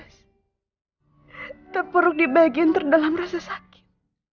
terpuruk di bagian terdalam rasa sakit